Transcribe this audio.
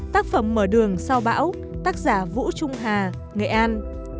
tác phẩm mở đường sau bão tác giả vũ trung hà nghệ an